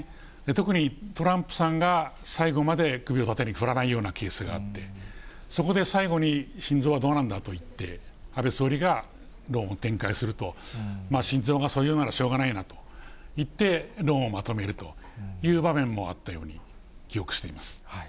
特にトランプさんが最後まで首を縦に振らないようなケースがあってそこで最後にシンゾーはどうなんだと言って、安倍総理が論を展開すると、シンゾーがそう言うならしょうがないなと言って、論をまとめるという場面もあったように記憶しています。